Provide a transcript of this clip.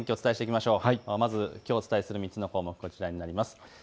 まずきょうお伝えする３つの項目、こちらです。